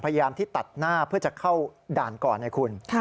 พยายามที่ตัดหน้าเพื่อจะเข้าด่านก่อนไงคุณ